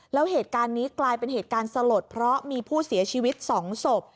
แล้วเหตุการณ์นี้กลายเป็นเหตุการณ์สลดเพราะมีผู้เสียชีวิต๒ศพ